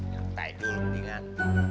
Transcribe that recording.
nyantai dulu mendingan